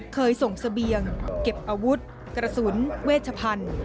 เคยส่งเสบียงเก็บอาวุธกระสุนเวชพันธุ์